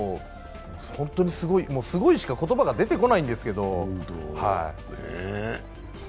本当にすごいしか言葉が出てこないんですけど。